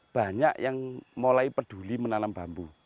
banyak yang mulai peduli menanam bambu